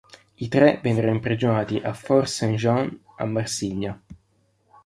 I tre vennero imprigionati a Fort Saint-Jean a Marsiglia.